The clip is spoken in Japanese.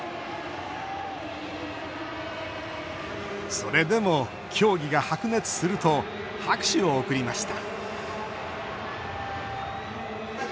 それでも、競技が白熱すると拍手を送りました